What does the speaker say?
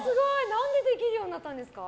何でできるようになったんですか。